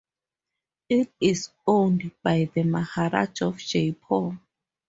It is owned by the Maharaja of Jeypore.